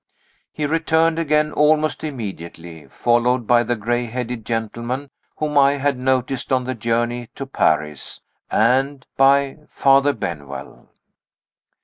He returned again almost immediately, followed by the gray headed gentleman whom I had noticed on the journey to Paris and by Father Benwell.